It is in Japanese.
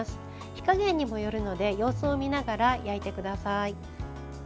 火加減にもよるので様子を見ながら焼いてください。